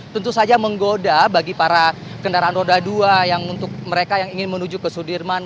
tentu saja menggoda bagi para kendaraan roda dua yang untuk mereka yang ingin menuju ke sudirman